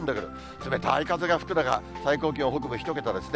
冷たい風が吹く中、最高気温北部１桁ですね。